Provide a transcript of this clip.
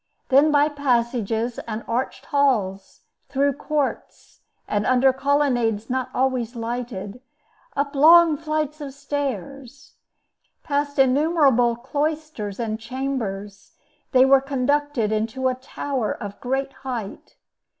Then by passages and arched halls; through courts, and under colonnades not always lighted; up long flights of stairs, past innumerable cloisters and chambers, they were conducted into a tower of great height.